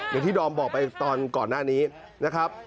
อย่างที่ดอมบอกไปตอนก่อนหน้านี้นะครับ